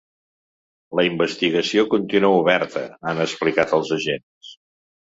La investigació continua oberta, han explicat els agents.